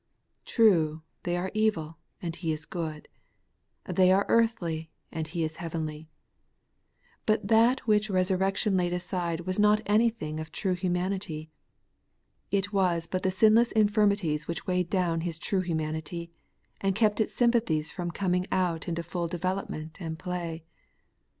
Ti*ue, they are evil, and He is good ; they are earthly, and He is heavenly. But that which resurrection laid aside was not anything of true humanity. It wa^ but the sinless infirmities which weighed down His true humanity, and kept its sympathies from coming out into full development and play.